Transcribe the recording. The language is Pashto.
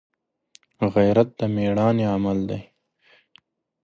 غیرت د مړانې عمل دی